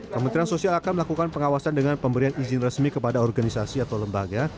kementerian sosial akan melakukan pengawasan dengan pemberian izin resmi kepada organisasi atau lembaga